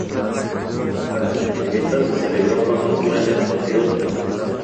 Tal acontecimiento se celebró con dos grandes partidos de fútbol.